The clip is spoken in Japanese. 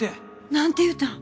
なんて言うたん？